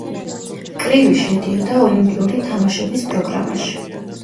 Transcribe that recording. კრივი შედიოდა ოლიმპიური თამაშების პროგრამაში.